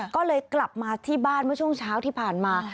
ก็เลยกลับมาที่บ้านเมื่อช่วงเช้าที่ผ่านมา